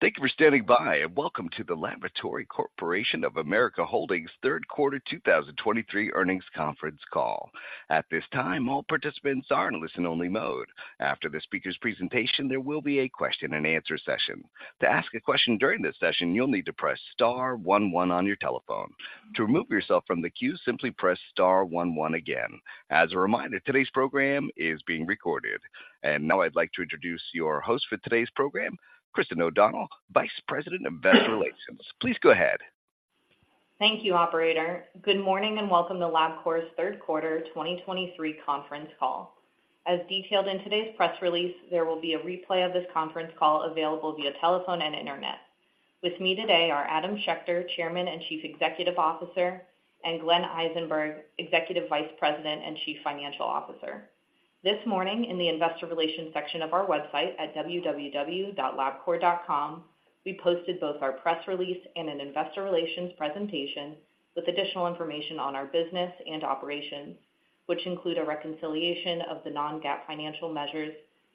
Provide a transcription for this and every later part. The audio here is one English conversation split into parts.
Thank you for standing by, and welcome to the Laboratory Corporation of America Holdings Q3 2023 earnings conference call. At this time, all participants are in listen-only mode. After the speaker's presentation, there will be a question-and-answer session. To ask a question during this session, you'll need to press star one one on your telephone. To remove yourself from the queue, simply press star one one again. As a reminder, today's program is being recorded. Now I'd like to introduce your host for today's program, Christin O'Donnell, Vice President of Investor Relations. Please go ahead. Thank you, Operator. Good morning, and welcome to Labcorp's Q3 2023 conference call. As detailed in today's press release, there will be a replay of this conference call available via telephone and internet. With me today are Adam Schechter, Chairman and Chief Executive Officer, and Glenn Eisenberg, Executive Vice President and Chief Financial Officer. This morning, in the investor relations section of our website at www.labcorp.com, we posted both our press release and an investor relations presentation with additional information on our business and operations, which include a reconciliation of the non-GAAP financial measures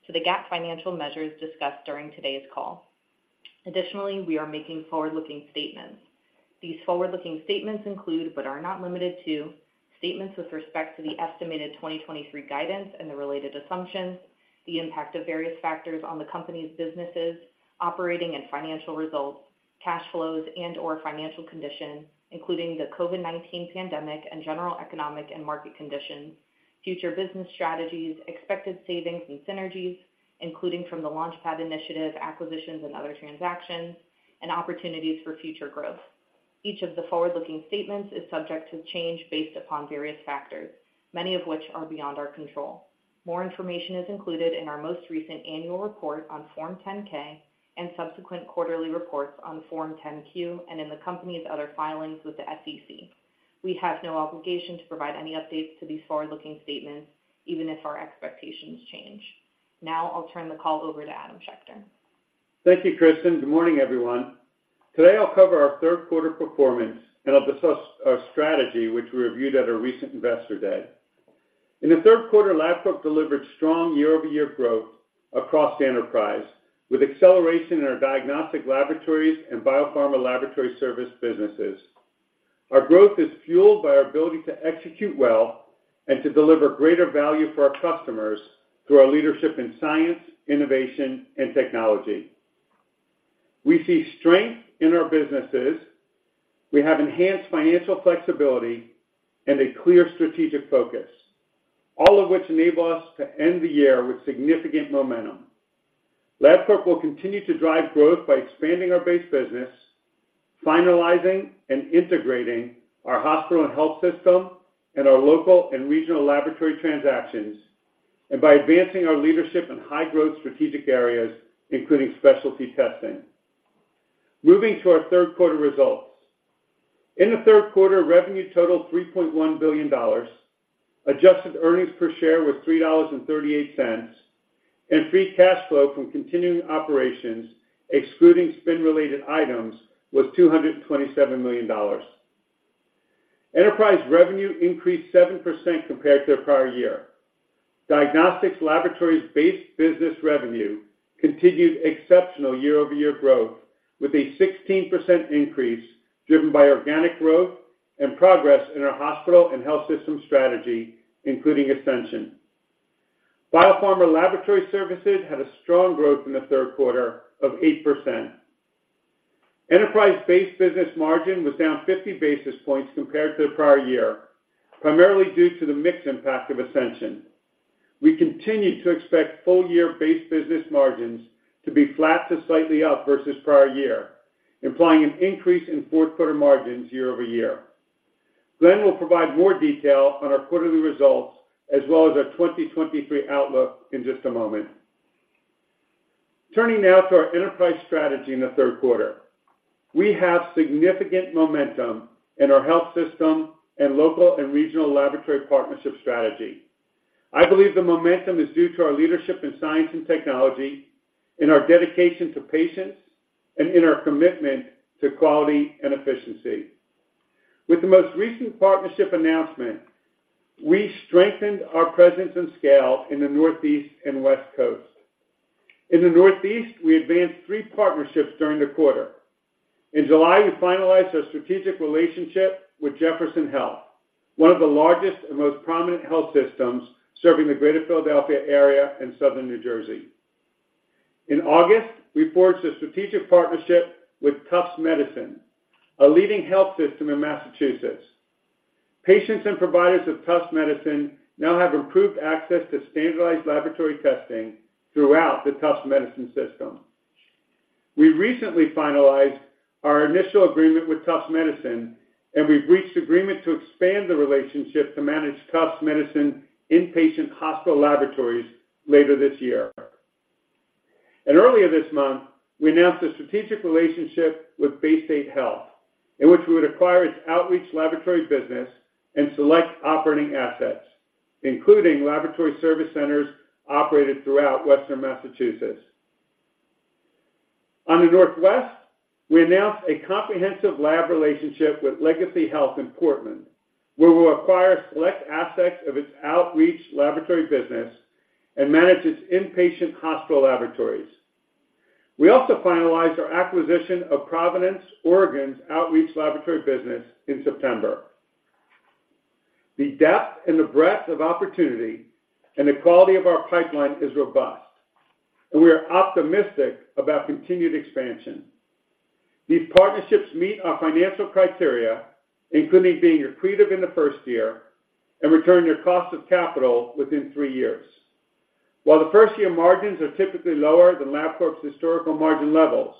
to the GAAP financial measures discussed during today's call. Additionally, we are making forward-looking statements. These forward-looking statements include, but are not limited to, statements with respect to the estimated 2023 guidance and the related assumptions, the impact of various factors on the company's businesses, operating and financial results, cash flows and/or financial conditions, including the COVID-19 pandemic and general economic and market conditions, future business strategies, expected savings and synergies, including from the LaunchPad initiative, acquisitions and other transactions, and opportunities for future growth. Each of the forward-looking statements is subject to change based upon various factors, many of which are beyond our control. More information is included in our most recent annual report on Form 10-K and subsequent quarterly reports on Form 10-Q and in the company's other filings with the SEC. We have no obligation to provide any updates to these forward-looking statements, even if our expectations change. Now I'll turn the call over to Adam Schechter. Thank you, Christin. Good morning, everyone. Today, I'll cover our Q3 performance, and I'll discuss our strategy, which we reviewed at our recent Investor Day. In the Q3, Labcorp delivered strong year-over-year growth across the enterprise, with acceleration in our diagnostic laboratories and biopharma laboratory service businesses. Our growth is fueled by our ability to execute well and to deliver greater value for our customers through our leadership in science, innovation, and technology. We see strength in our businesses. We have enhanced financial flexibility and a clear strategic focus, all of which enable us to end the year with significant momentum. Labcorp will continue to drive growth by expanding our base business, finalizing and integrating our hospital and health system and our local and regional laboratory transactions, and by advancing our leadership in high-growth strategic areas, including specialty testing. Moving to our Q3 results. In the Q3, revenue totaled $3.1 billion, adjusted earnings per share was $3.38, and free cash flow from continuing operations, excluding spin-related items, was $227 million. Enterprise revenue increased 7% compared to the prior year. Diagnostics Laboratories base business revenue continued exceptional year-over-year growth, with a 16% increase driven by organic growth and progress in our hospital and health system strategy, including Ascension. Biopharma Laboratory Services had a strong growth in the Q3 of 8%. Enterprise-based business margin was down 50 basis points compared to the prior year, primarily due to the mix impact of Ascension. We continue to expect full-year base business margins to be flat to slightly up versus prior year, implying an increase in Q4 margins year over year. Glenn will provide more detail on our quarterly results as well as our 2023 outlook in just a moment. Turning now to our enterprise strategy in the Q3. We have significant momentum in our health system and local and regional laboratory partnership strategy. I believe the momentum is due to our leadership in science and technology, in our dedication to patients, and in our commitment to quality and efficiency. With the most recent partnership announcement, we strengthened our presence and scale in the Northeast and West Coast. In the Northeast, we advanced three partnerships during the quarter. In July, we finalized our strategic relationship with Jefferson Health, one of the largest and most prominent health systems serving the Greater Philadelphia area and Southern New Jersey. In August, we forged a strategic partnership with Tufts Medicine, a leading health system in Massachusetts. Patients and providers of Tufts Medicine now have improved access to standardized laboratory testing throughout the Tufts Medicine system. We recently finalized our initial agreement with Tufts Medicine, and we've reached agreement to expand the relationship to manage Tufts Medicine inpatient hospital laboratories later this year. And earlier this month, we announced a strategic relationship with Baystate Health, in which we would acquire its outreach laboratory business and select operating assets, including laboratory service centers operated throughout western Massachusetts. In the Northwest, we announced a comprehensive lab relationship with Legacy Health in Portland, where we'll acquire select aspects of its outreach laboratory business and manage its inpatient hospital laboratories. We also finalized our acquisition of Providence, Oregon's outreach laboratory business in September. The depth and the breadth of opportunity and the quality of our pipeline is robust, and we are optimistic about continued expansion. These partnerships meet our financial criteria, including being accretive in the first year and returning your cost of capital within three years. While the first-year margins are typically lower than Labcorp's historical margin levels,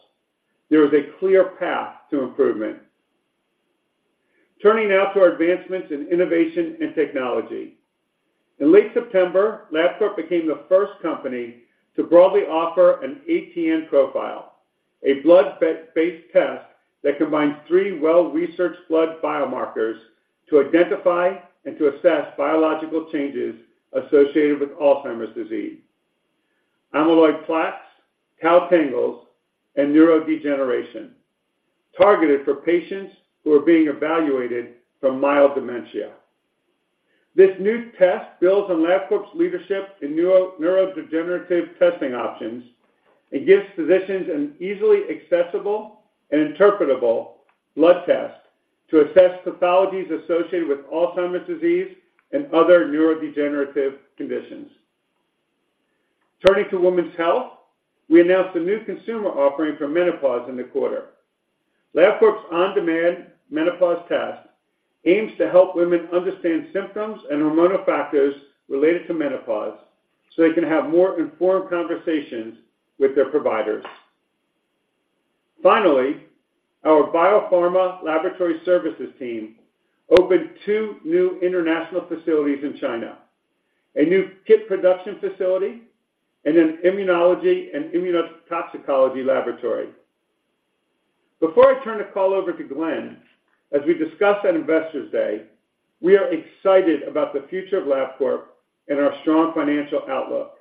there is a clear path to improvement. Turning now to our advancements in innovation and technology. In late September, Labcorp became the first company to broadly offer an ATN Profile, a blood-based test that combines three well-researched blood biomarkers to identify and to assess biological changes associated with Alzheimer's disease, amyloid plaques, tau tangles, and neurodegeneration, targeted for patients who are being evaluated from mild dementia. This new test builds on Labcorp's leadership in neuro, neurodegenerative testing options and gives physicians an easily accessible and interpretable blood test to assess pathologies associated with Alzheimer's disease and other neurodegenerative conditions. Turning to women's health, we announced a new consumer offering for menopause in the quarter. Labcorp's OnDemand menopause test aims to help women understand symptoms and hormonal factors related to menopause, so they can have more informed conversations with their providers. Finally, our biopharma laboratory services team opened two new international facilities in China, a new kit production facility, and an immunology and immunotoxicology laboratory. Before I turn the call over to Glenn, as we discussed at Investors Day, we are excited about the future of Labcorp and our strong financial outlook.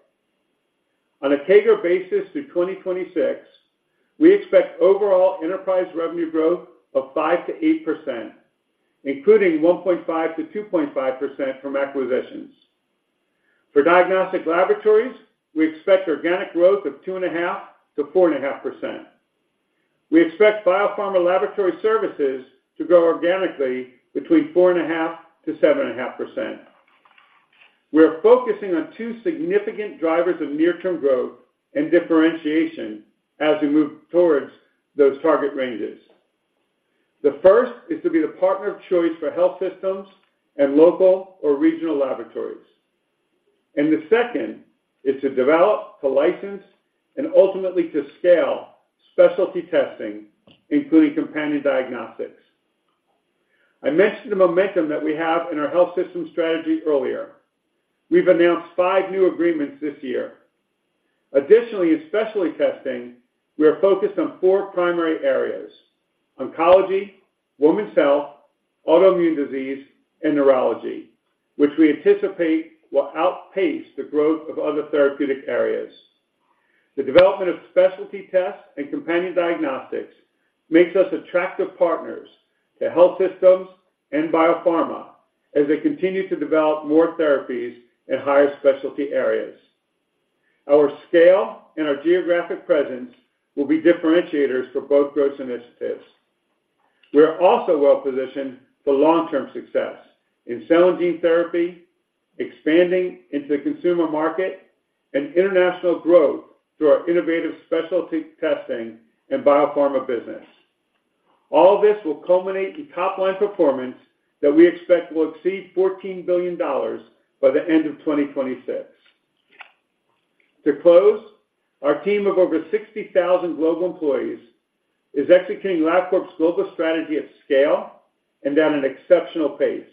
On a CAGR basis through 2026, we expect overall enterprise revenue growth of 5%-8%, including 1.5%-2.5% from acquisitions. For diagnostic laboratories, we expect organic growth of 2.5%-4.5%. We expect biopharma laboratory services to grow organically between 4.5%-7.5%. We are focusing on two significant drivers of near-term growth and differentiation as we move towards those target ranges. The first is to be the partner of choice for health systems and local or regional laboratories, and the second is to develop, to license, and ultimately to scale specialty testing, including companion diagnostics. I mentioned the momentum that we have in our health system strategy earlier. We've announced five new agreements this year. Additionally, in specialty testing, we are focused on four primary areas: oncology, women's health, autoimmune disease, and neurology, which we anticipate will outpace the growth of other therapeutic areas. The development of specialty tests and companion diagnostics makes us attractive partners to health systems and biopharma as they continue to develop more therapies in higher specialty areas. Our scale and our geographic presence will be differentiators for both growth initiatives. We are also well-positioned for long-term success in cell and gene therapy, expanding into the consumer market, and international growth through our innovative specialty testing and biopharma business. All this will culminate in top-line performance that we expect will exceed $14 billion by the end of 2026. To close, our team of over 60,000 global employees is executing Labcorp's global strategy at scale and at an exceptional pace.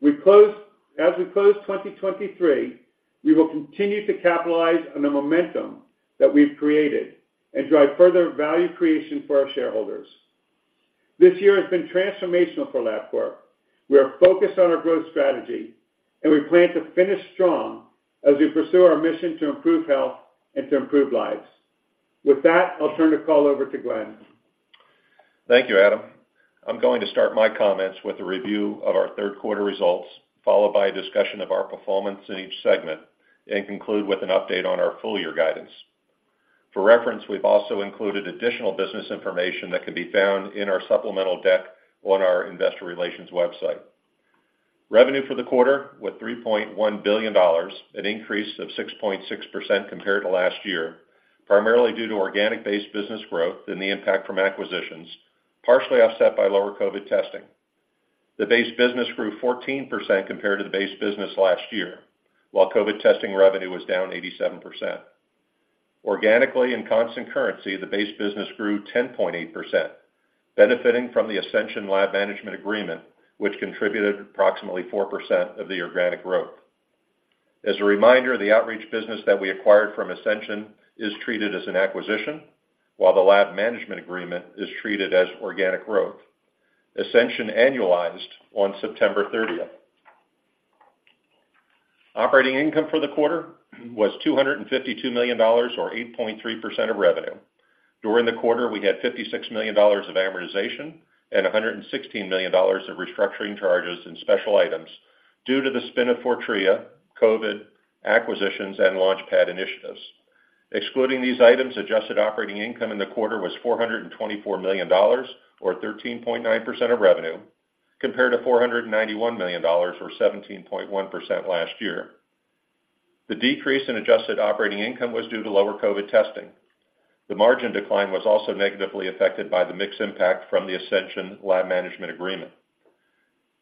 We close, as we close 2023, we will continue to capitalize on the momentum that we've created and drive further value creation for our shareholders. This year has been transformational for Labcorp. We are focused on our growth strategy, and we plan to finish strong as we pursue our mission to improve health and to improve lives. With that, I'll turn the call over to Glenn. Thank you, Adam. I'm going to start my comments with a review of our Q3 results, followed by a discussion of our performance in each segment, and conclude with an update on our full-year guidance. For reference, we've also included additional business information that can be found in our supplemental deck on our investor relations website. Revenue for the quarter was $3.1 billion, an increase of 6.6% compared to last year, primarily due to organic-based business growth and the impact from acquisitions, partially offset by lower COVID testing. The base business grew 14% compared to the base business last year, while COVID testing revenue was down 87%. Organically, in constant currency, the base business grew 10.8%, benefiting from the Ascension Lab Management Agreement, which contributed approximately 4% of the organic growth. As a reminder, the outreach business that we acquired from Ascension is treated as an acquisition, while the Lab Management Agreement is treated as organic growth. Ascension annualized on September thirtieth. Operating income for the quarter was $252 million, or 8.3% of revenue. During the quarter, we had $56 million of amortization and $116 million of restructuring charges and special items due to the spin of Fortrea, COVID, acquisitions, and LaunchPad initiatives. Excluding these items, adjusted operating income in the quarter was $424 million, or 13.9% of revenue, compared to $491 million, or 17.1% last year. The decrease in adjusted operating income was due to lower COVID testing. The margin decline was also negatively affected by the mix impact from the Ascension lab management agreement.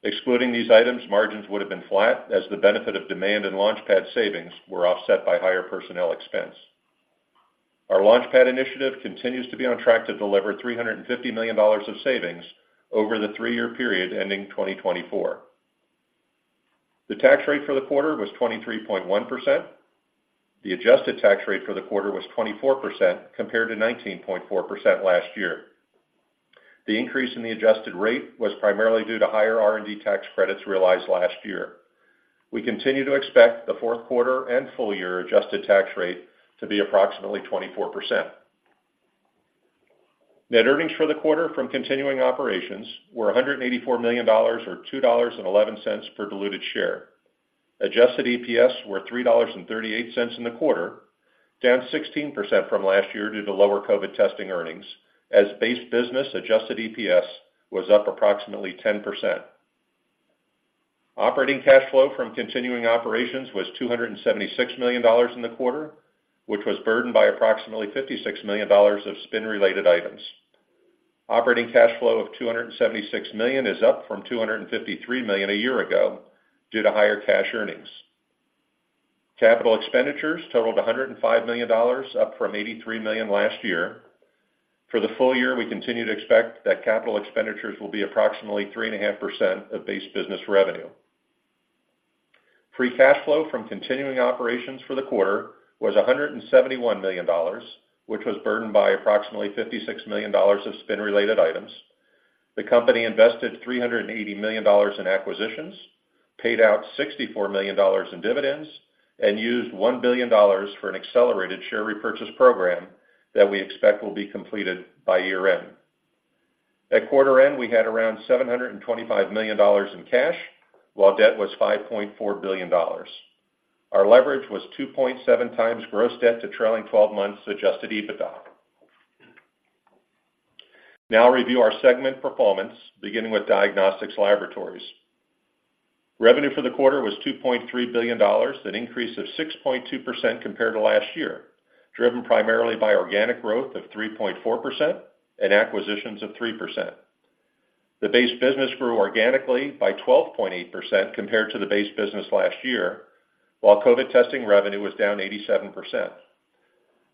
Excluding these items, margins would have been flat as the benefit of demand and LaunchPad savings were offset by higher personnel expense. Our LaunchPad initiative continues to be on track to deliver $350 million of savings over the three-year period ending 2024. The tax rate for the quarter was 23.1%. The adjusted tax rate for the quarter was 24%, compared to 19.4% last year. The increase in the adjusted rate was primarily due to higher R&D tax credits realized last year. We continue to expect the Q4 and full year adjusted tax rate to be approximately 24%. Net earnings for the quarter from continuing operations were $184 million, or $2.11 per diluted share. Adjusted EPS were $3.38 in the quarter, down 16% from last year due to lower COVID testing earnings, as base business adjusted EPS was up approximately 10%. Operating cash flow from continuing operations was $276 million in the quarter, which was burdened by approximately $56 million of spin-related items. Operating cash flow of $276 million is up from $253 million a year ago due to higher cash earnings. Capital expenditures totaled $105 million, up from $83 million last year. For the full year, we continue to expect that capital expenditures will be approximately 3.5% of base business revenue. Free cash flow from continuing operations for the quarter was $171 million, which was burdened by approximately $56 million of spin-related items. The company invested $380 million in acquisitions, paid out $64 million in dividends, and used $1 billion for an accelerated share repurchase program that we expect will be completed by year-end. At quarter-end, we had around $725 million in cash, while debt was $5.4 billion. Our leverage was 2.7x gross debt to trailing twelve months adjusted EBITDA. Now I'll review our segment performance, beginning with Diagnostics Laboratories. Revenue for the quarter was $2.3 billion, an increase of 6.2% compared to last year, driven primarily by organic growth of 3.4% and acquisitions of 3%. The base business grew organically by 12.8% compared to the base business last year, while COVID testing revenue was down 87%.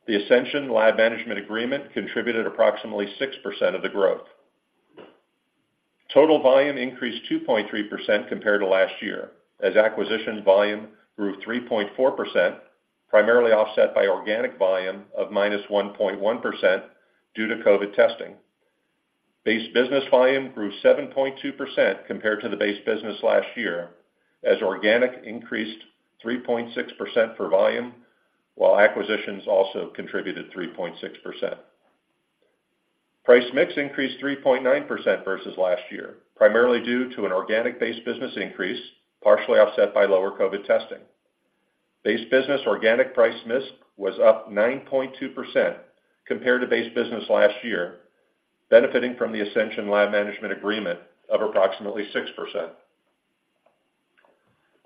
The Ascension lab management agreement contributed approximately 6% of the growth. Total volume increased 2.3% compared to last year, as acquisitions volume grew 3.4%, primarily offset by organic volume of -1.1% due to COVID testing. Base business volume grew 7.2% compared to the base business last year, as organic increased 3.6% for volume, while acquisitions also contributed 3.6%. Price mix increased 3.9% versus last year, primarily due to an organic base business increase, partially offset by lower COVID testing. Base business organic price mix was up 9.2% compared to base business last year, benefiting from the Ascension lab management agreement of approximately 6%.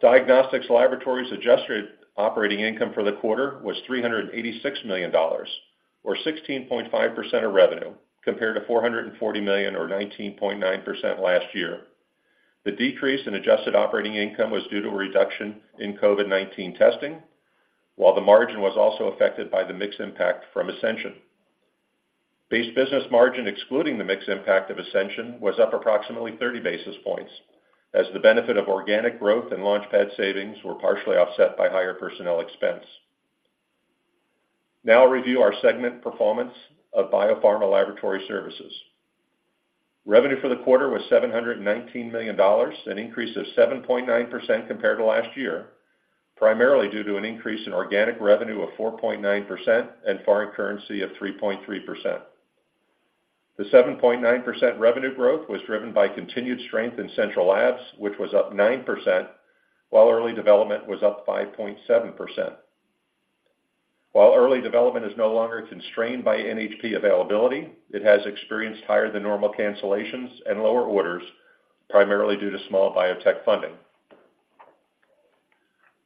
Diagnostics Laboratories adjusted operating income for the quarter was $386 million, or 16.5% of revenue, compared to $440 million, or 19.9% last year. The decrease in adjusted operating income was due to a reduction in COVID-19 testing, while the margin was also affected by the mix impact from Ascension. Base business margin, excluding the mix impact of Ascension, was up approximately 30 basis points, as the benefit of organic growth and LaunchPad savings were partially offset by higher personnel expense. Now I'll review our segment performance of Biopharma laboratory services. Revenue for the quarter was $719 million, an increase of 7.9% compared to last year, primarily due to an increase in organic revenue of 4.9% and foreign currency of 3.3%. The 7.9% revenue growth was driven by continued strength in central labs, which was up 9%, while early development was up 5.7%. While early development is no longer constrained by NHP availability, it has experienced higher than normal cancellations and lower orders, primarily due to small biotech funding.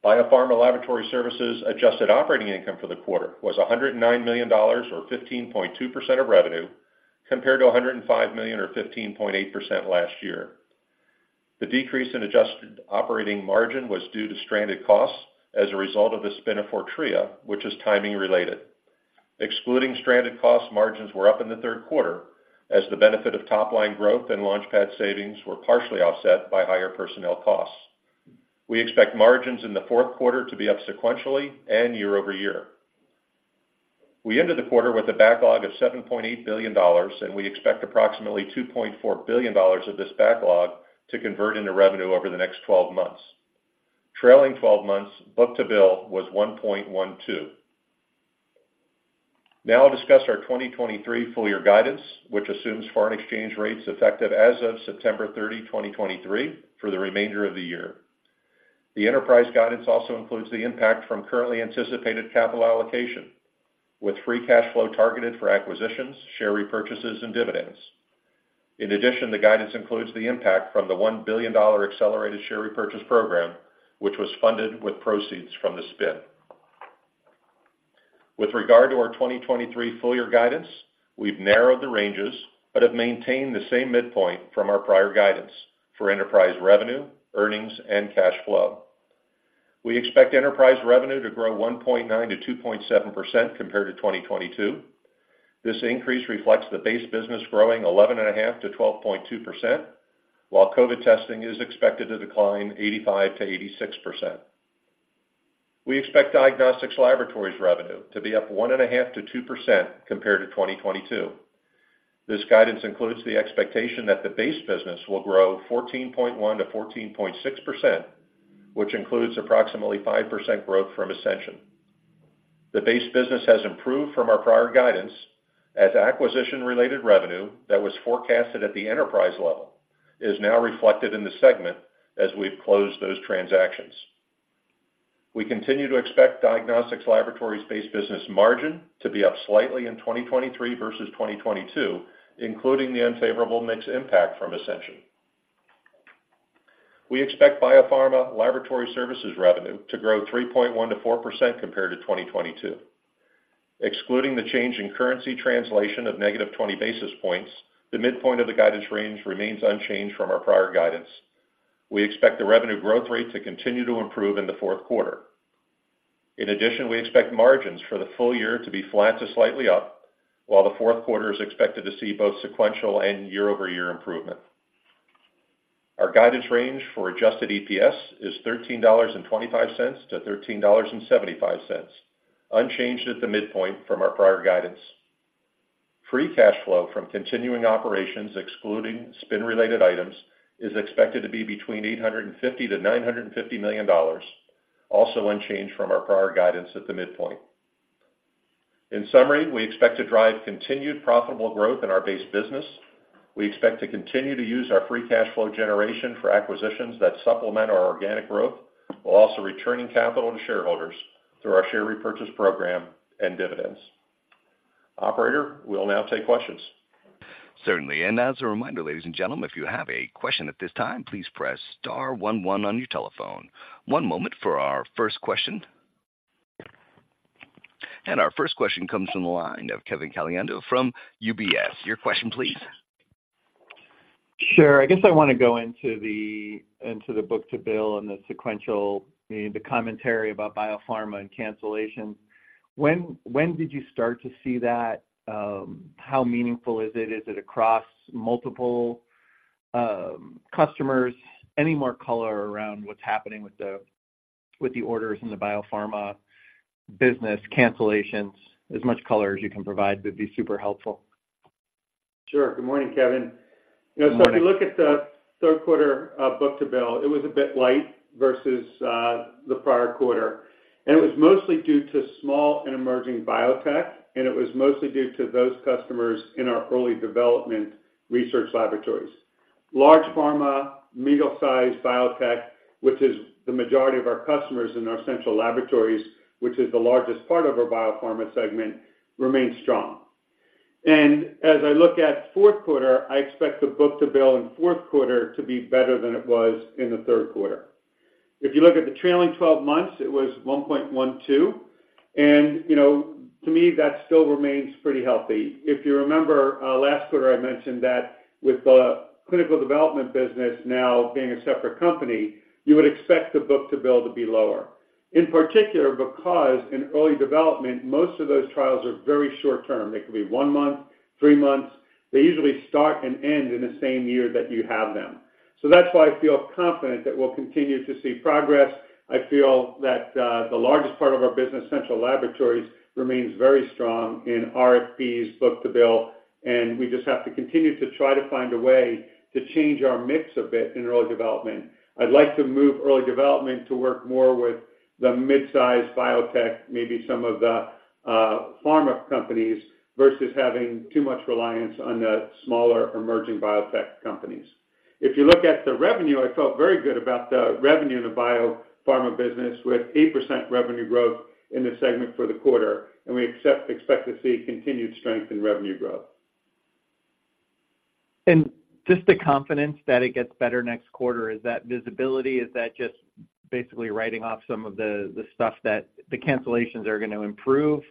Biopharma Laboratory Services adjusted operating income for the quarter was $109 million, or 15.2% of revenue, compared to $105 million, or 15.8% last year. The decrease in adjusted operating margin was due to stranded costs as a result of the spin of Fortrea, which is timing related. Excluding stranded costs, margins were up in the Q3 as the benefit of top-line growth and LaunchPad savings were partially offset by higher personnel costs. We expect margins in the Q4 to be up sequentially and year-over-year. We ended the quarter with a backlog of $7.8 billion, and we expect approximately $2.4 billion of this backlog to convert into revenue over the next 12 months. Trailing 12 months, book-to-bill was 1.12. Now I'll discuss our 2023 full year guidance, which assumes foreign exchange rates effective as of September 30, 2023, for the remainder of the year. The enterprise guidance also includes the impact from currently anticipated capital allocation, with free cash flow targeted for acquisitions, share repurchases, and dividends. In addition, the guidance includes the impact from the $1 billion accelerated share repurchase program, which was funded with proceeds from the spin. With regard to our 2023 full-year guidance, we've narrowed the ranges, but have maintained the same midpoint from our prior guidance for enterprise revenue, earnings, and cash flow. We expect enterprise revenue to grow 1.9%-2.7% compared to 2022. This increase reflects the base business growing 11.5%-12.2%, while COVID testing is expected to decline 85%-86%. We expect diagnostics laboratories revenue to be up 1.5%-2% compared to 2022. This guidance includes the expectation that the base business will grow 14.1%-14.6%, which includes approximately 5% growth from Ascension. The base business has improved from our prior guidance, as acquisition-related revenue that was forecasted at the enterprise level is now reflected in the segment as we've closed those transactions. We continue to expect Diagnostics Laboratories base business margin to be up slightly in 2023 versus 2022, including the unfavorable mix impact from Ascension. We expect biopharma laboratory services revenue to grow 3.1%-4% compared to 2022. Excluding the change in currency translation of -20 basis points, the midpoint of the guidance range remains unchanged from our prior guidance. We expect the revenue growth rate to continue to improve in the Q4. In addition, we expect margins for the full year to be flat to slightly up, while the Q4 is expected to see both sequential and year-over-year improvement. Our guidance range for adjusted EPS is $13.25-$13.75, unchanged at the midpoint from our prior guidance. Free cash flow from continuing operations, excluding spin-related items, is expected to be between $850 million and $950 million, also unchanged from our prior guidance at the midpoint. In summary, we expect to drive continued profitable growth in our base business. We expect to continue to use our free cash flow generation for acquisitions that supplement our organic growth, while also returning capital to shareholders through our share repurchase program and dividends. Operator, we'll now take questions. Certainly. As a reminder, ladies and gentlemen, if you have a question at this time, please press star one one on your telephone. One moment for our first question. Our first question comes from the line of Kevin Caliendo from UBS. Your question, please. Sure. I guess I wanna go into the book-to-bill and the sequential, the commentary about biopharma and cancellation. When did you start to see that? How meaningful is it? Is it across multiple customers? Any more color around what's happening with the orders in the biopharma business cancellations, as much color as you can provide, would be super helpful. Sure. Good morning, Kevin. Good morning. You know, so if you look at the Q3, book-to-bill, it was a bit light versus the prior quarter, and it was mostly due to small and emerging biotech, and it was mostly due to those customers in our early development research laboratories. Large pharma, middle-sized biotech, which is the majority of our customers in our central laboratories, which is the largest part of our biopharma segment, remains strong. And as I look at Q4, I expect the book-to-bill in Q4 to be better than it was in the Q3. If you look at the trailing twelve months, it was 1.12, and, you know, to me, that still remains pretty healthy. If you remember, last quarter, I mentioned that with the clinical development business now being a separate company, you would expect the book-to-bill to be lower. In particular, because in early development, most of those trials are very short term. They could be one month, three months. They usually start and end in the same year that you have them. So that's why I feel confident that we'll continue to see progress. I feel that the largest part of our business, central laboratories, remains very strong in RFPs book-to-bill, and we just have to continue to try to find a way to change our mix a bit in early development. I'd like to move early development to work more with the mid-sized biotech, maybe some of the pharma companies, versus having too much reliance on the smaller, emerging biotech companies. If you look at the revenue, I felt very good about the revenue in the biopharma business, with 8% revenue growth in the segment for the quarter, and we expect to see continued strength in revenue growth. Just the confidence that it gets better next quarter, is that visibility? Is that just basically writing off some of the stuff that the cancellations are gonna improve?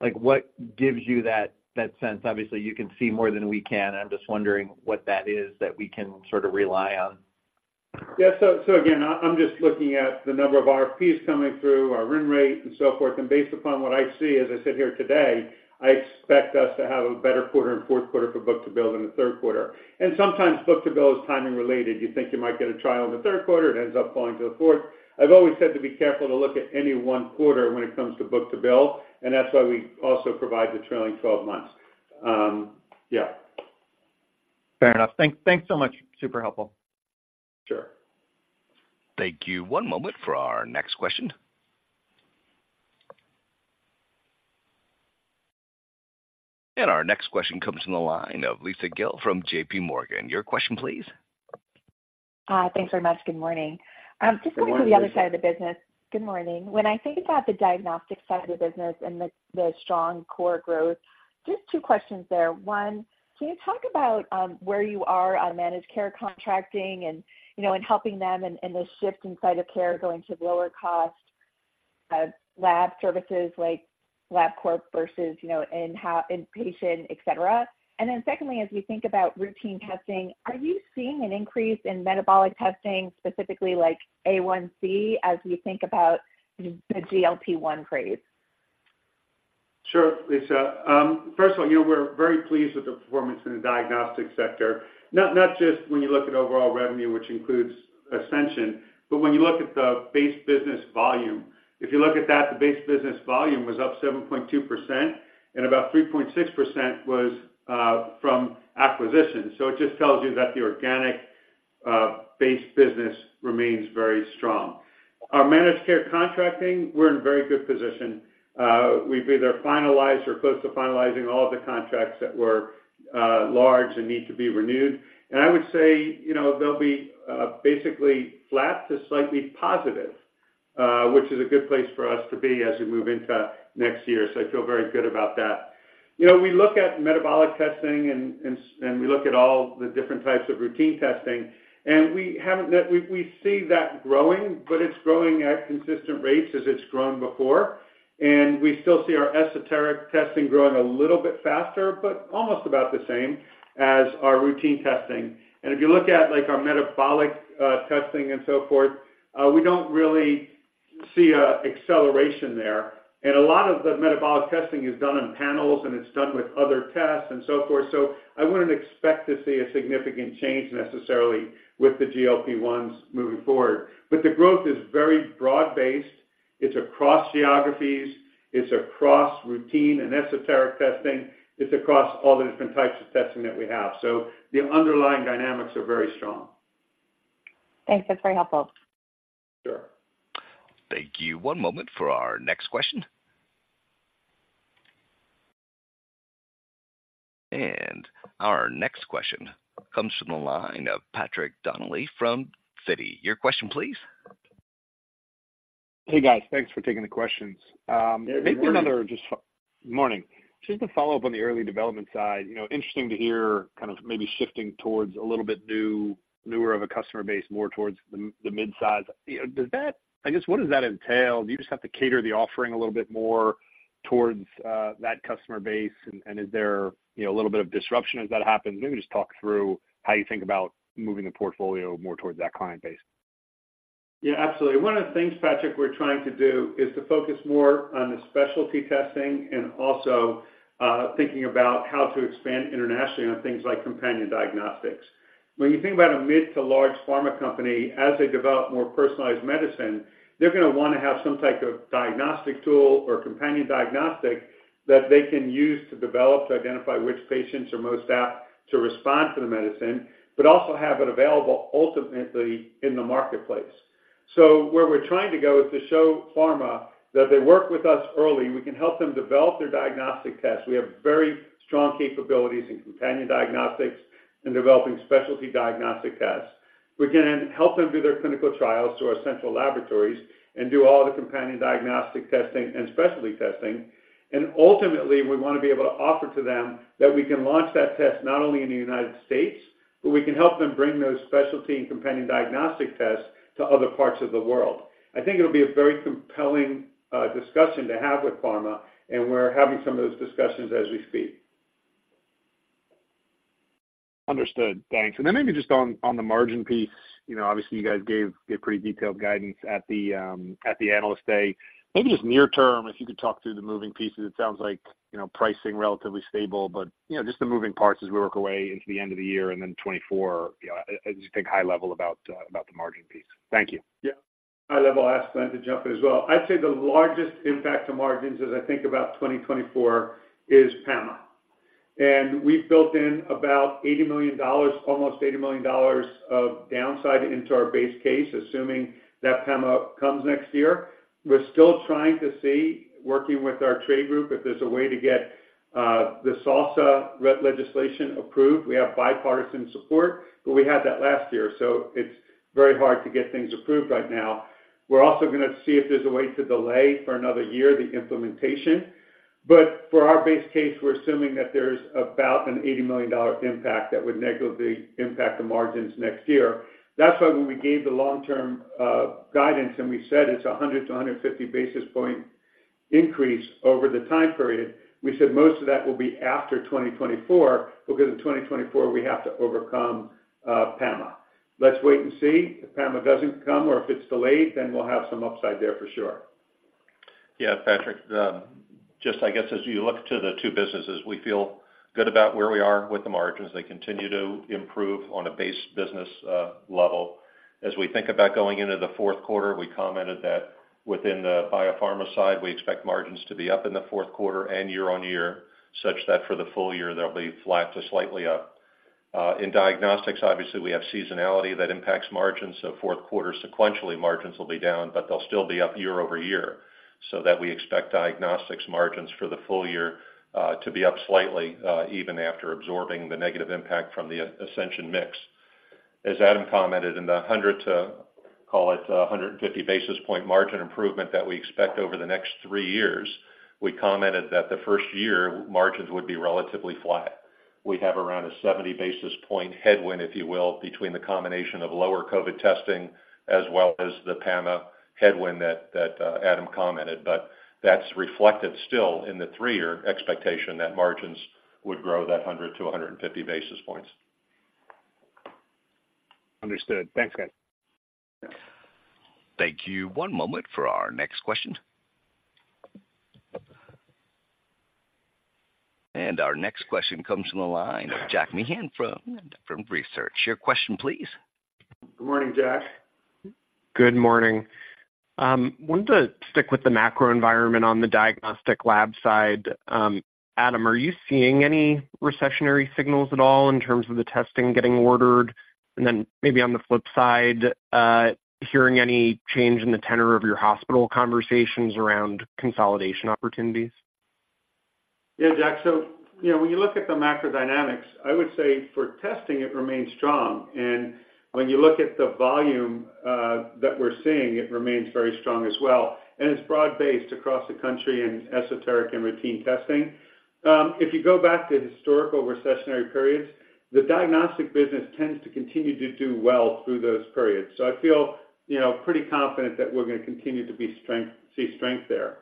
Like, what gives you that sense? Obviously, you can see more than we can. I'm just wondering what that is that we can sort of rely on. Yeah. So, so again, I, I'm just looking at the number of RFPs coming through, our run rate and so forth. And based upon what I see, as I sit here today, I expect us to have a better quarter in Q4 for book-to-bill than the Q3. And sometimes, book-to-bill is timing related. You think you might get a trial in the Q3, it ends up falling to the fourth. I've always said to be careful to look at any one quarter when it comes to book-to-bill, and that's why we also provide the trailing 12 months. Yeah.... Fair enough. Thanks, thanks so much. Super helpful. Sure. Thank you. One moment for our next question. Our next question comes from the line of Lisa Gill from JP Morgan. Your question, please. Thanks very much. Good morning. Good morning, Lisa. Just going to the other side of the business. Good morning. When I think about the diagnostic side of the business and the, the strong core growth, just two questions there. One, can you talk about where you are on managed care contracting and, you know, and helping them and, and the shift in site of care going to lower cost lab services like Labcorp versus, you know, in-house, inpatient, et cetera? And then secondly, as you think about routine testing, are you seeing an increase in metabolic testing, specifically like A1C, as you think about the GLP-1 craze? Sure, Lisa. First of all, you know, we're very pleased with the performance in the diagnostic sector. Not just when you look at overall revenue, which includes Ascension, but when you look at the base business volume. If you look at that, the base business volume was up 7.2%, and about 3.6% was from acquisitions. So it just tells you that the organic base business remains very strong. Our managed care contracting, we're in very good position. We've either finalized or close to finalizing all the contracts that were large and need to be renewed. And I would say, you know, they'll be basically flat to slightly positive, which is a good place for us to be as we move into next year. So I feel very good about that. You know, we look at metabolic testing and we look at all the different types of routine testing, and we haven't yet we see that growing, but it's growing at consistent rates as it's grown before. And we still see our esoteric testing growing a little bit faster, but almost about the same as our routine testing. And if you look at, like, our metabolic testing and so forth, we don't really see an acceleration there. And a lot of the metabolic testing is done in panels, and it's done with other tests and so forth. So I wouldn't expect to see a significant change necessarily with the GLP-1s moving forward. But the growth is very broad-based. It's across geographies, it's across routine and esoteric testing, it's across all the different types of testing that we have. So the underlying dynamics are very strong. Thanks. That's very helpful. Sure. Thank you. One moment for our next question. Our next question comes from the line of Patrick Donnelly from Citi. Your question, please. Hey, guys. Thanks for taking the questions. Hey, good morning. Morning. Just to follow up on the early development side, you know, interesting to hear kind of maybe shifting towards a little bit new, newer of a customer base, more towards the, the midsize. You know, does that—I guess, what does that entail? Do you just have to cater the offering a little bit more towards, that customer base? And, and is there, you know, a little bit of disruption as that happens? Maybe just talk through how you think about moving the portfolio more towards that client base. Yeah, absolutely. One of the things, Patrick, we're trying to do is to focus more on the specialty testing and also, thinking about how to expand internationally on things like companion diagnostics. When you think about a mid to large pharma company, as they develop more personalized medicine, they're gonna wanna have some type of diagnostic tool or companion diagnostic that they can use to develop, to identify which patients are most apt to respond to the medicine, but also have it available ultimately in the marketplace. So where we're trying to go is to show pharma that if they work with us early, we can help them develop their diagnostic tests. We have very strong capabilities in companion diagnostics and developing specialty diagnostic tests. We can help them do their clinical trials through our central laboratories and do all the companion diagnostic testing and specialty testing. And ultimately, we wanna be able to offer to them that we can launch that test not only in the United States, but we can help them bring those specialty and companion diagnostic tests to other parts of the world. I think it'll be a very compelling discussion to have with pharma, and we're having some of those discussions as we speak. Understood. Thanks. And then maybe just on the margin piece, you know, obviously, you guys gave a pretty detailed guidance at the Analyst Day. Maybe just near term, if you could talk through the moving pieces. It sounds like, you know, pricing relatively stable, but, you know, just the moving parts as we work our way into the end of the year and then 2024, you know, I just think high level about the margin piece. Thank you. Yeah. High level, I'll ask Glenn to jump in as well. I'd say the largest impact to margins, as I think about 2024, is PAMA. And we've built in about $80 million, almost $80 million of downside into our base case, assuming that PAMA comes next year. We're still trying to see, working with our trade group, if there's a way to get, the SALSA legislation approved. We have bipartisan support, but we had that last year, so it's very hard to get things approved right now. We're also gonna see if there's a way to delay for another year, the implementation. But for our base case, we're assuming that there's about an $80 million impact that would negatively impact the margins next year. That's why when we gave the long-term guidance and we said it's 100-150 basis point increase over the time period, we said most of that will be after 2024, because in 2024, we have to overcome PAMA. Let's wait and see. If PAMA doesn't come or if it's delayed, then we'll have some upside there for sure. Yeah, Patrick, just I guess as you look to the two businesses, we feel good about where we are with the margins. They continue to improve on a base business level. As we think about going into the Q4, we commented that within the biopharma side, we expect margins to be up in the Q4 and year-on-year, such that for the full year, they'll be flat to slightly up. In diagnostics, obviously, we have seasonality that impacts margins, so Q4 sequentially, margins will be down, but they'll still be up year over year, so that we expect diagnostics margins for the full year to be up slightly, even after absorbing the negative impact from the Ascension mix. As Adam commented in the 100- to, call it, a 150-basis-point margin improvement that we expect over the next three years, we commented that the first year, margins would be relatively flat. We have around a 70-basis-point headwind, if you will, between the combination of lower COVID testing as well as the PAMA headwind that Adam commented. But that's reflected still in the three-year expectation that margins would grow that 100- to a 150 basis points. Understood. Thanks, Glenn. Thank you. One moment for our next question. Our next question comes from the line of Jack Meehan Nephron Research. Your question, please. Good morning, Jack. Good morning. Wanted to stick with the macro environment on the diagnostic lab side. Adam, are you seeing any recessionary signals at all in terms of the testing getting ordered? And then maybe on the flip side, hearing any change in the tenor of your hospital conversations around consolidation opportunities? Yeah, Jack. So, you know, when you look at the macro dynamics, I would say for testing, it remains strong. And when you look at the volume that we're seeing, it remains very strong as well, and it's broad-based across the country in esoteric and routine testing. If you go back to historical recessionary periods, the diagnostic business tends to continue to do well through those periods. So I feel, you know, pretty confident that we're going to continue to see strength there.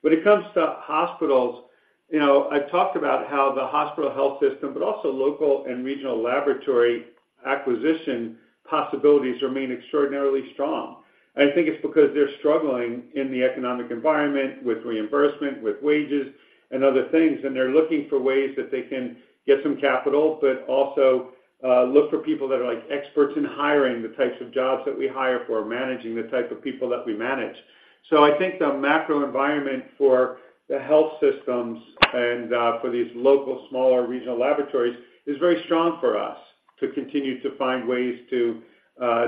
When it comes to hospitals, you know, I've talked about how the hospital health system, but also local and regional laboratory acquisition possibilities remain extraordinarily strong. I think it's because they're struggling in the economic environment with reimbursement, with wages and other things, and they're looking for ways that they can get some capital, but also, look for people that are, like, experts in hiring the types of jobs that we hire for, managing the type of people that we manage. So I think the macro environment for the health systems and, for these local, smaller regional laboratories is very strong for us to continue to find ways to,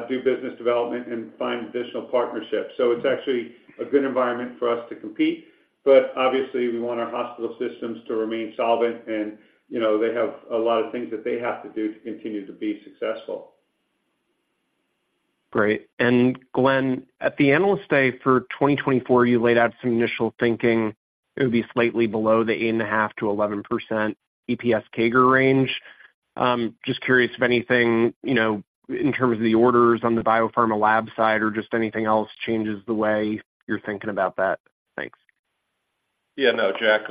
do business development and find additional partnerships. So it's actually a good environment for us to compete, but obviously, we want our hospital systems to remain solvent and, you know, they have a lot of things that they have to do to continue to be successful. Great. Glenn, at the Analyst Day for 2024, you laid out some initial thinking. It would be slightly below the 8.5%-11% EPS CAGR range. Just curious if anything, you know, in terms of the orders on the biopharma lab side or just anything else changes the way you're thinking about that. Thanks. Yeah. No, Jack,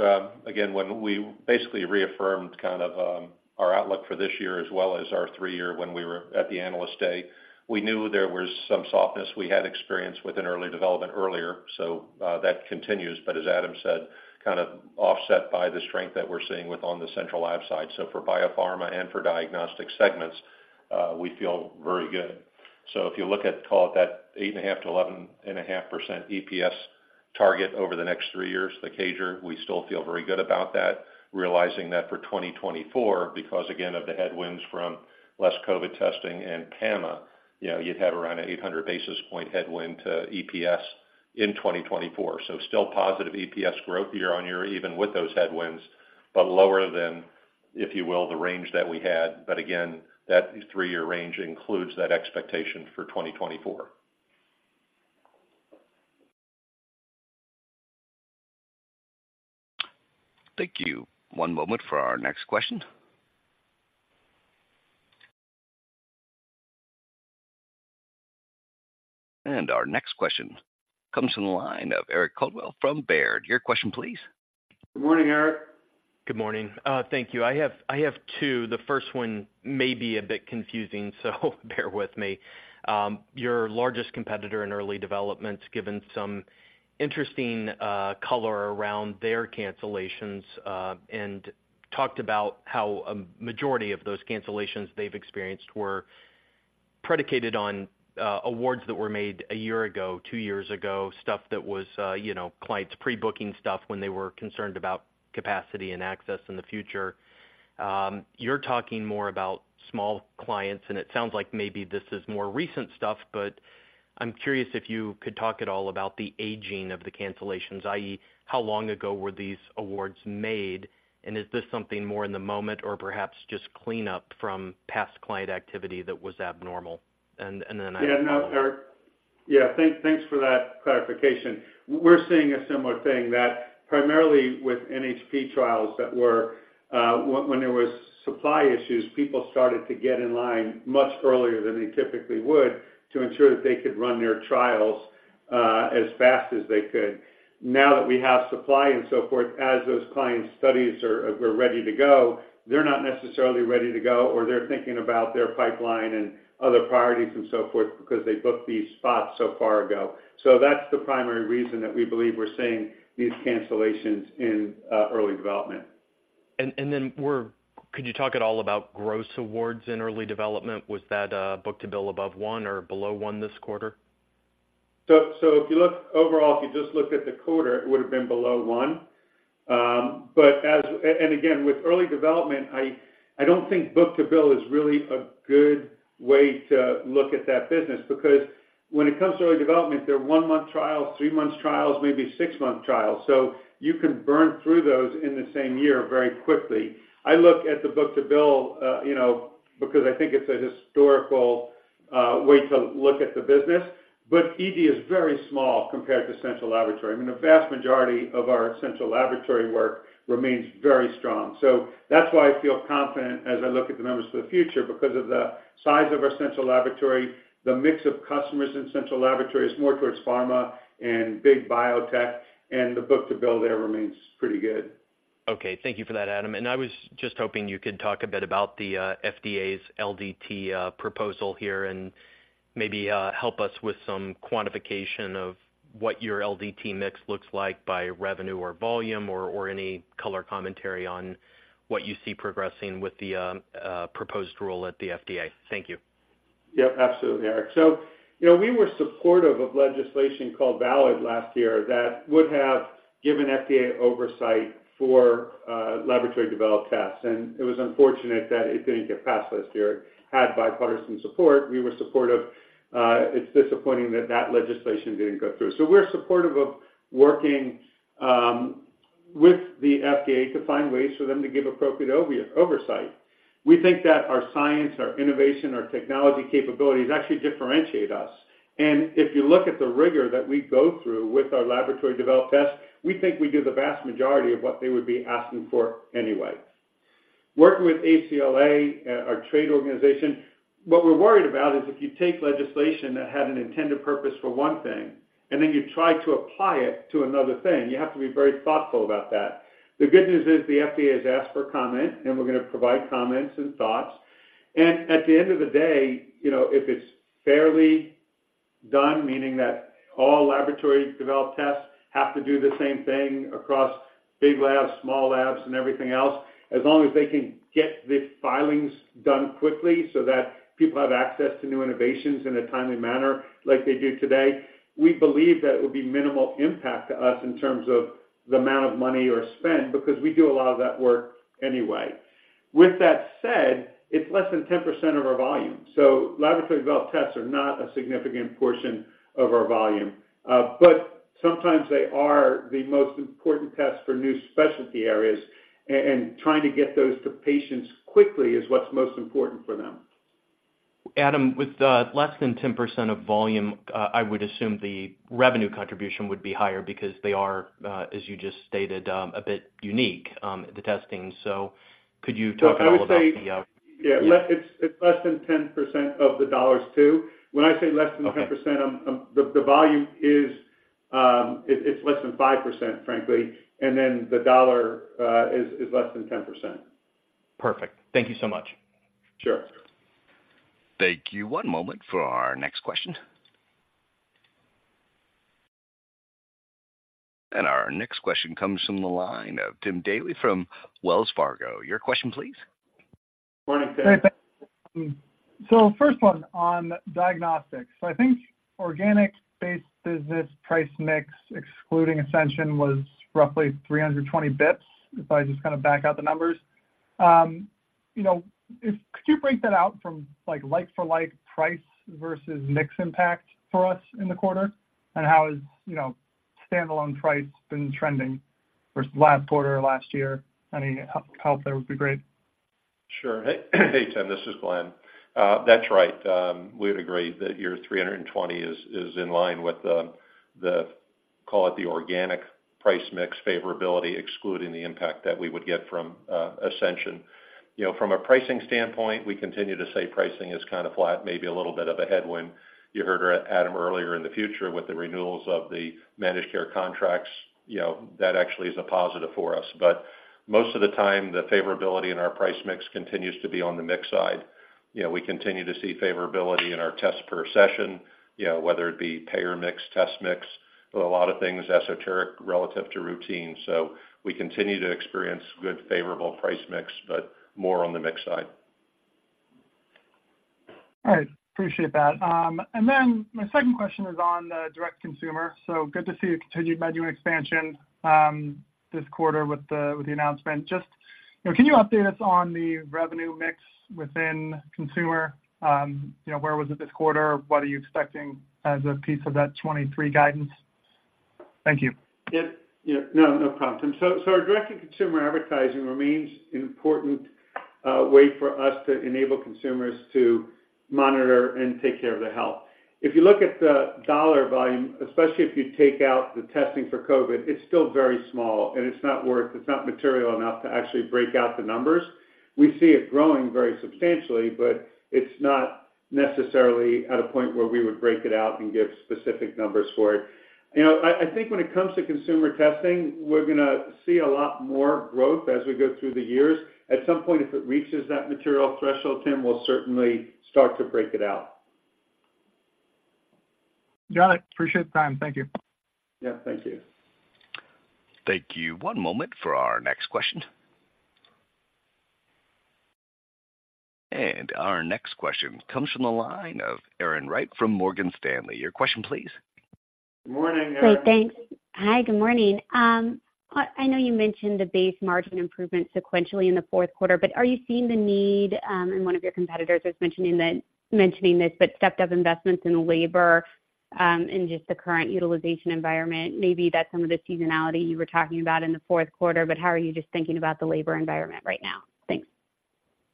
again, when we basically reaffirmed kind of our outlook for this year as well as our three-year when we were at the Analyst Day, we knew there was some softness we had experienced with an early development earlier, so that continues. But as Adam said, kind of offset by the strength that we're seeing with on the central lab side. So for biopharma and for diagnostic segments, we feel very good. So if you look at, call it, that 8.5%-11.5% EPS target over the next three years, the CAGR, we still feel very good about that, realizing that for 2024, because again, of the headwinds from less COVID testing and PAMA, you know, you'd have around an 800 basis point headwind to EPS in 2024. Still positive EPS growth year-on-year, even with those headwinds, but lower than, if you will, the range that we had. Again, that three-year range includes that expectation for 2024. Thank you. One moment for our next question. Our next question comes from the line of Eric Caldwell from Baird. Your question, please. Good morning, Eric. Good morning. Thank you. I have two. The first one may be a bit confusing, so bear with me. Your largest competitor in early development's given some interesting color around their cancellations and talked about how a majority of those cancellations they've experienced were predicated on awards that were made a year ago, two years ago, stuff that was, you know, clients pre-booking stuff when they were concerned about capacity and access in the future. You're talking more about small clients, and it sounds like maybe this is more recent stuff, but I'm curious if you could talk at all about the aging of the cancellations, i.e., how long ago were these awards made? And is this something more in the moment or perhaps just cleanup from past client activity that was abnormal? And then I- Yeah, no, Eric. Yeah, thanks for that clarification. We're seeing a similar thing that primarily with NHP trials that were, when there was supply issues, people started to get in line much earlier than they typically would to ensure that they could run their trials, as fast as they could. Now that we have supply and so forth, as those client studies are ready to go, they're not necessarily ready to go, or they're thinking about their pipeline and other priorities and so forth because they booked these spots so far ago. So that's the primary reason that we believe we're seeing these cancellations in early development. And then, could you talk at all about gross awards in early development? Was that book-to-bill above one or below one this quarter? So, if you look overall, if you just looked at the quarter, it would have been below 1. But—and again, with early development, I don't think book-to-bill is really a good way to look at that business, because when it comes to early development, they're 1-month trials, 3-month trials, maybe 6-month trials. So you can burn through those in the same year very quickly. I look at the book-to-bill, you know, because I think it's a historical way to look at the business. But ED is very small compared to central laboratory. I mean, the vast majority of our central laboratory work remains very strong. That's why I feel confident as I look at the numbers for the future, because of the size of our central laboratory. The mix of customers in central laboratory is more towards pharma and big biotech, and the book-to-bill there remains pretty good. Okay. Thank you for that, Adam. I was just hoping you could talk a bit about the FDA's LDT proposal here, and maybe help us with some quantification of what your LDT mix looks like by revenue or volume, or any color commentary on what you see progressing with the proposed rule at the FDA. Thank you. Yep, absolutely, Eric. So, you know, we were supportive of legislation called VALID last year that would have given FDA oversight for laboratory developed tests, and it was unfortunate that it didn't get passed last year. It had bipartisan support. We were supportive. It's disappointing that that legislation didn't go through. So we're supportive of working with the FDA to find ways for them to give appropriate oversight. We think that our science, our innovation, our technology capabilities actually differentiate us. And if you look at the rigor that we go through with our laboratory-developed tests, we think we do the vast majority of what they would be asking for anyway. Working with ACLA, our trade organization, what we're worried about is if you take legislation that had an intended purpose for one thing, and then you try to apply it to another thing, you have to be very thoughtful about that. The good news is the FDA has asked for comment, and we're gonna provide comments and thoughts. At the end of the day, you know, if it's fairly done, meaning that all laboratory-developed tests have to do the same thing across big labs, small labs, and everything else, as long as they can get the filings done quickly so that people have access to new innovations in a timely manner like they do today, we believe that it would be minimal impact to us in terms of the amount of money or spend, because we do a lot of that work anyway. With that said, it's less than 10% of our volume, so laboratory-developed tests are not a significant portion of our volume. But sometimes they are the most important tests for new specialty areas, and trying to get those to patients quickly is what's most important for them. Adam, with less than 10% of volume, I would assume the revenue contribution would be higher because they are, as you just stated, a bit unique, the testing. So could you talk a little about the- So I would say, yeah, it's, it's less than 10% of the dollars, too. When I say less than 10%- Okay... the volume is, it's less than 5%, frankly, and then the dollar is less than 10%. Perfect. Thank you so much. Sure. Thank you. One moment for our next question. Our next question comes from the line of Tim Daley from Wells Fargo. Your question, please. Morning, Tim. Hey, thanks. So first one, on diagnostics. So I think organic-based business price mix, excluding Ascension, was roughly 320 basis points, if I just kind of back out the numbers. You know, could you break that out from like-for-like price versus mix impact for us in the quarter? And how is, you know, standalone price been trending versus last quarter or last year? Any help there would be great. Sure. Hey, hey, Tim, this is Glen. That's right. We'd agree that your 320 is in line with the, call it, the organic price mix favorability, excluding the impact that we would get from Ascension. You know, from a pricing standpoint, we continue to say pricing is kind of flat, maybe a little bit of a headwind. You heard Adam earlier in the future with the renewals of the managed care contracts, you know, that actually is a positive for us. But most of the time, the favorability in our price mix continues to be on the mix side. You know, we continue to see favorability in our tests per session, you know, whether it be payer mix, test mix, a lot of things esoteric relative to routine. We continue to experience good, favorable price mix, but more on the mix side. All right. Appreciate that. And then my second question is on the direct consumer. So good to see you continued menu expansion this quarter with the announcement. Just, you know, can you update us on the revenue mix within consumer? You know, where was it this quarter? What are you expecting as a piece of that 23 guidance? Thank you. Yep. Yeah, no, no problem. So our direct-to-consumer advertising remains an important way for us to enable consumers to monitor and take care of their health. If you look at the dollar volume, especially if you take out the testing for COVID, it's still very small, and it's not worth it - it's not material enough to actually break out the numbers. We see it growing very substantially, but it's not necessarily at a point where we would break it out and give specific numbers for it. You know, I think when it comes to consumer testing, we're gonna see a lot more growth as we go through the years. At some point, if it reaches that material threshold, Tim, we'll certainly start to break it out.... Got it. Appreciate the time. Thank you. Yeah, thank you. Thank you. One moment for our next question. Our next question comes from the line of Erin Wright from Morgan Stanley. Your question, please. Morning, Erin. Great. Thanks. Hi, good morning. I know you mentioned the base margin improvement sequentially in the Q4, but are you seeing the need, and one of your competitors was mentioning this, but stepped up investments in labor, in just the current utilization environment? Maybe that's some of the seasonality you were talking about in the Q4, but how are you just thinking about the labor environment right now? Thanks.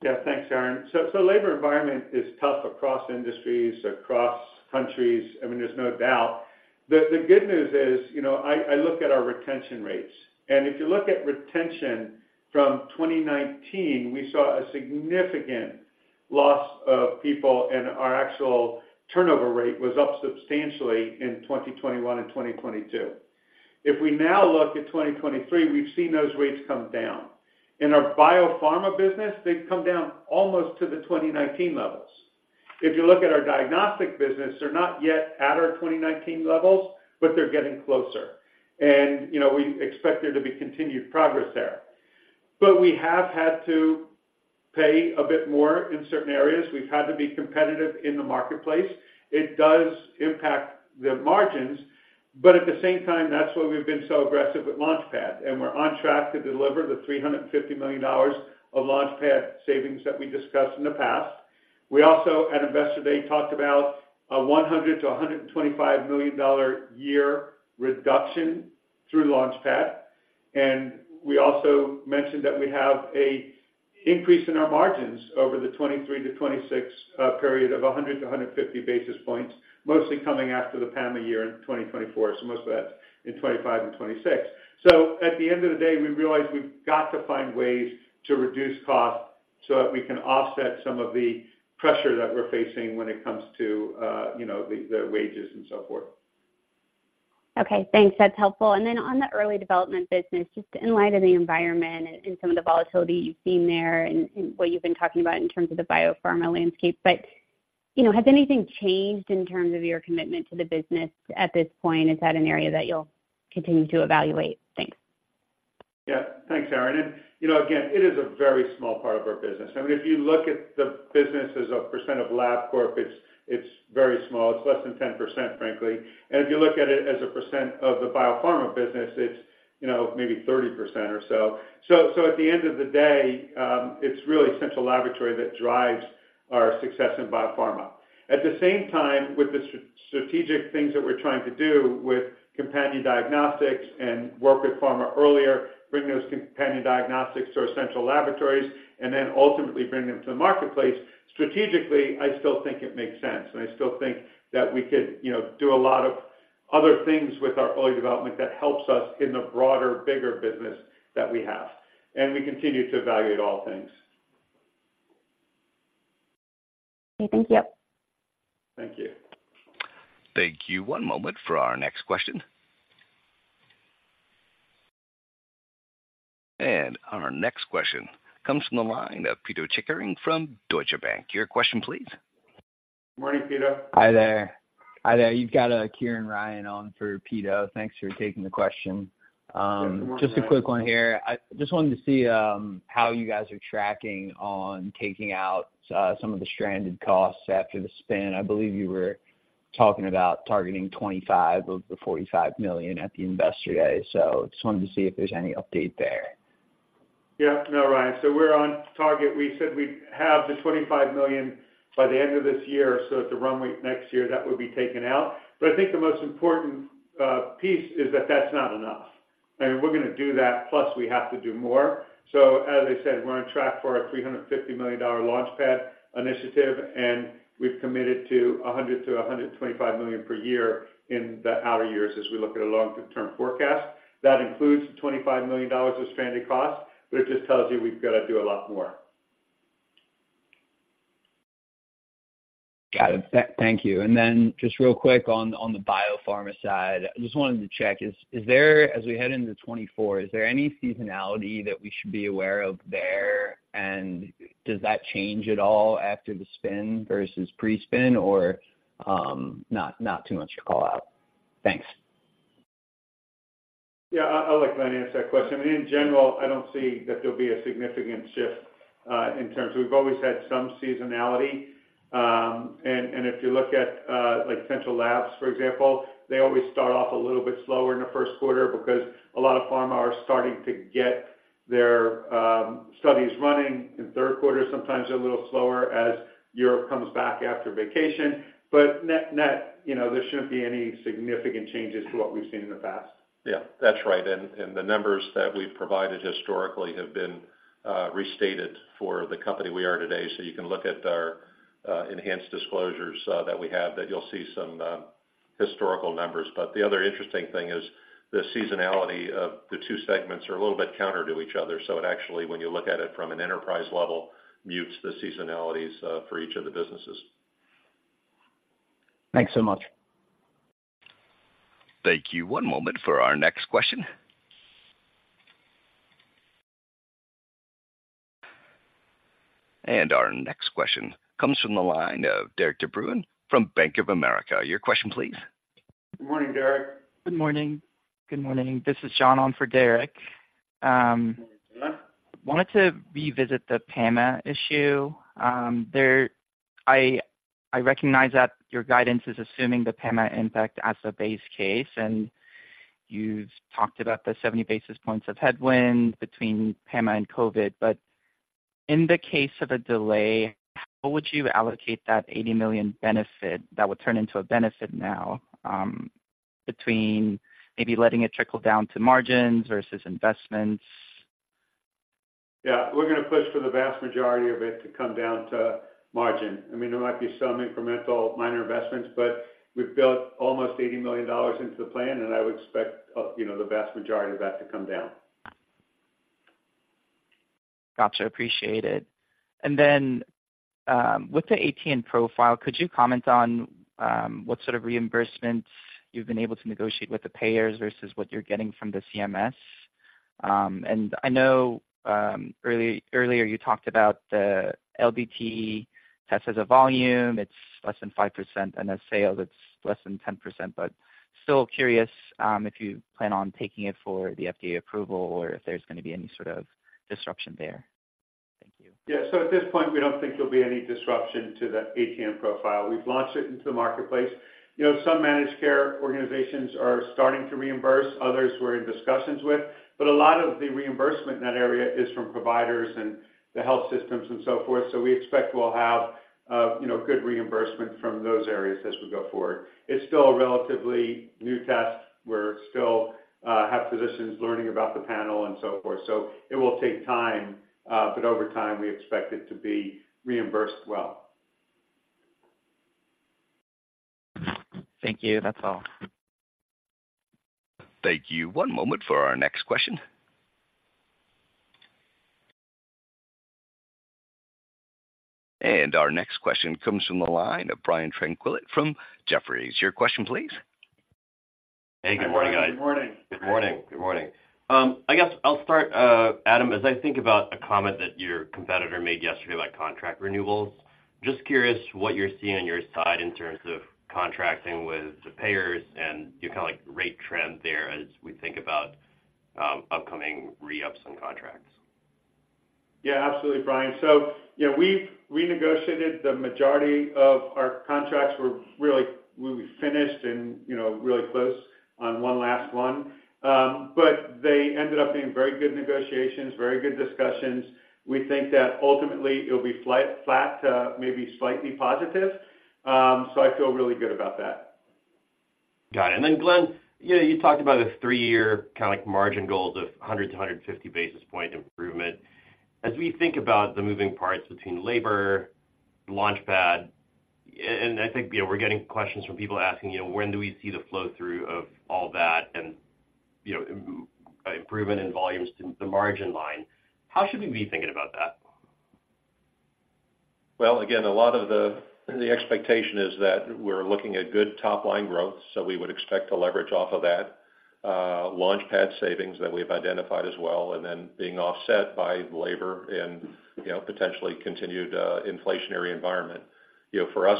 Yeah, thanks, Erin. So, so labor environment is tough across industries, across countries. I mean, there's no doubt. The, the good news is, you know, I, I look at our retention rates, and if you look at retention from 2019, we saw a significant loss of people, and our actual turnover rate was up substantially in 2021 and 2022. If we now look at 2023, we've seen those rates come down. In our biopharma business, they've come down almost to the 2019 levels. If you look at our diagnostic business, they're not yet at our 2019 levels, but they're getting closer. And, you know, we expect there to be continued progress there. But we have had to pay a bit more in certain areas. We've had to be competitive in the marketplace. It does impact the margins, but at the same time, that's why we've been so aggressive with LaunchPad, and we're on track to deliver the $350 million of LaunchPad savings that we discussed in the past. We also, at Investor Day, talked about a $100 million-$125 million year reduction through LaunchPad. And we also mentioned that we have a increase in our margins over the 2023-2026 period of 100-150 basis points, mostly coming after the PAMA year in 2024, so most of that in 2025 and 2026. So at the end of the day, we realize we've got to find ways to reduce costs so that we can offset some of the pressure that we're facing when it comes to, you know, the, the wages and so forth. Okay, thanks. That's helpful. Then on the early development business, just in light of the environment and some of the volatility you've seen there and what you've been talking about in terms of the biopharma landscape, but, you know, has anything changed in terms of your commitment to the business at this point? Is that an area that you'll continue to evaluate? Thanks. Yeah. Thanks, Erin. And you know, again, it is a very small part of our business. I mean, if you look at the business as a percent of Labcorp, it's, it's very small. It's less than 10%, frankly. And if you look at it as a percent of the biopharma business, it's, you know, maybe 30% or so. So, so at the end of the day, it's really central laboratory that drives our success in biopharma. At the same time, with the strategic things that we're trying to do with companion diagnostics and work with pharma earlier, bring those companion diagnostics to our central laboratories, and then ultimately bring them to the marketplace, strategically, I still think it makes sense, and I still think that we could, you know, do a lot of other things with our early development that helps us in the broader, bigger business that we have, and we continue to evaluate all things. Okay. Thank you. Thank you. Thank you. One moment for our next question. Our next question comes from the line of Pito Chickering from Deutsche Bank. Your question, please. Morning, Peter. Hi there. Hi there. You've got, Kieran Ryan on for Peter. Thanks for taking the question. Good morning, Ryan. Just a quick one here. I just wanted to see how you guys are tracking on taking out some of the stranded costs after the spin. I believe you were talking about targeting $25 million of the $45 million at the Investor Day. So just wanted to see if there's any update there. Yeah. No, Ryan, so we're on target. We said we'd have the $25 million by the end of this year. So at the runway next year, that would be taken out. But I think the most important piece is that that's not enough. I mean, we're gonna do that, plus we have to do more. So as I said, we're on track for a $350 million LaunchPad initiative, and we've committed to $100 million-$125 million per year in the outer years as we look at a long-term forecast. That includes the $25 million of stranded costs, but it just tells you we've got to do a lot more. Got it. Thank you. And then just real quick on, on the biopharma side, I just wanted to check. Is, is there, as we head into 2024, is there any seasonality that we should be aware of there? And does that change at all after the spin versus pre-spin, or, not, not too much to call out? Thanks. Yeah, I'll let Glenn answer that question. I mean, in general, I don't see that there'll be a significant shift in terms... We've always had some seasonality. And if you look at like central labs, for example, they always start off a little bit slower in the Q1 because a lot of pharma are starting to get their studies running in Q3. Sometimes they're a little slower as Europe comes back after vacation. But net, you know, there shouldn't be any significant changes to what we've seen in the past. Yeah, that's right. And the numbers that we've provided historically have been restated for the company we are today. So you can look at our enhanced disclosures that we have, that you'll see some historical numbers. But the other interesting thing is the seasonality of the two segments are a little bit counter to each other. So it actually, when you look at it from an enterprise level, mutes the seasonalities for each of the businesses. Thanks so much. Thank you. One moment for our next question... And our next question comes from the line of Derek de Bruin from Bank of America. Your question, please. Good morning, Derek. Good morning. Good morning. This is John on for Derek. Good morning, John. Wanted to revisit the PAMA issue. I recognize that your guidance is assuming the PAMA impact as a base case, and you've talked about the 70 basis points of headwind between PAMA and COVID. But in the case of a delay, how would you allocate that $80 million benefit that would turn into a benefit now, between maybe letting it trickle down to margins versus investments? Yeah, we're going to push for the vast majority of it to come down to margin. I mean, there might be some incremental minor investments, but we've built almost $80 million into the plan, and I would expect, you know, the vast majority of that to come down. Gotcha, appreciate it. And then, with the ATN profile, could you comment on what sort of reimbursements you've been able to negotiate with the payers versus what you're getting from the CMS? And I know, earlier, you talked about the LDT test as a volume. It's less than 5%, and a sale that's less than 10%, but still curious, if you plan on taking it for the FDA approval or if there's going to be any sort of disruption there. Thank you. Yeah. So at this point, we don't think there'll be any disruption to the ATN profile. We've launched it into the marketplace. You know, some managed care organizations are starting to reimburse, others we're in discussions with, but a lot of the reimbursement in that area is from providers and the health systems and so forth. So we expect we'll have, you know, good reimbursement from those areas as we go forward. It's still a relatively new test. We're still, have physicians learning about the panel and so forth. So it will take time, but over time, we expect it to be reimbursed well. Thank you. That's all. Thank you. One moment for our next question. Our next question comes from the line of Brian Tanquilut from Jefferies. Your question, please. Hey, good morning, guys. Good morning. Good morning. Good morning. I guess I'll start, Adam, as I think about a comment that your competitor made yesterday about contract renewals. Just curious what you're seeing on your side in terms of contracting with the payers and your kinda, like, rate trend there as we think about upcoming re-ups and contracts. Yeah, absolutely, Brian. So, you know, we've renegotiated the majority of our contracts. We're really, we'll be finished and, you know, really close on one last one. But they ended up being very good negotiations, very good discussions. We think that ultimately it'll be flat, maybe slightly positive. So I feel really good about that. Got it. And then, Glenn, you know, you talked about a three-year kinda, like, margin goal of 100-150 basis point improvement. As we think about the moving parts between labor, LaunchPad, and I think, you know, we're getting questions from people asking, you know, when do we see the flow-through of all that and, you know, improvement in volumes to the margin line. How should we be thinking about that? Well, again, a lot of the expectation is that we're looking at good top-line growth, so we would expect to leverage off of that LaunchPad savings that we've identified as well, and then being offset by labor and, you know, potentially continued inflationary environment. You know, for us,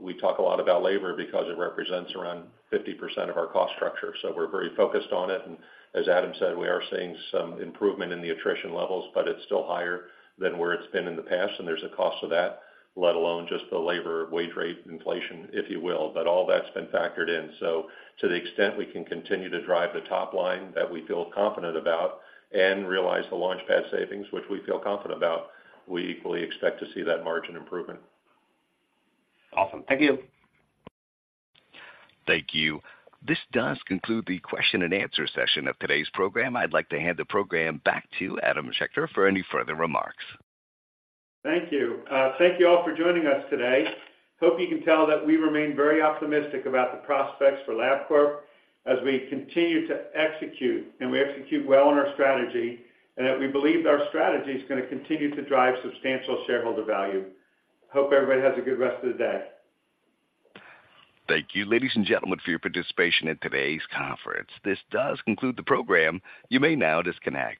we talk a lot about labor because it represents around 50% of our cost structure, so we're very focused on it. And as Adam said, we are seeing some improvement in the attrition levels, but it's still higher than where it's been in the past, and there's a cost to that, let alone just the labor wage rate inflation, if you will. But all that's been factored in. To the extent we can continue to drive the top line that we feel confident about and realize the LaunchPad savings, which we feel confident about, we equally expect to see that margin improvement. Awesome. Thank you. Thank you. This does conclude the question and answer session of today's program. I'd like to hand the program back to Adam Schechter for any further remarks. Thank you. Thank you all for joining us today. Hope you can tell that we remain very optimistic about the prospects for Labcorp as we continue to execute, and we execute well on our strategy, and that we believe our strategy is going to continue to drive substantial shareholder value. Hope everybody has a good rest of the day. Thank you, ladies and gentlemen, for your participation in today's conference. This does conclude the program. You may now disconnect.